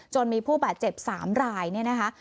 จนมีผู้บาดเจ็บ๓รายเนี่ยนะคะ